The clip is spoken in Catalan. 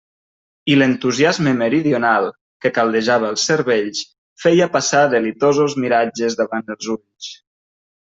I l'entusiasme meridional, que caldejava els cervells, feia passar delitosos miratges davant els ulls.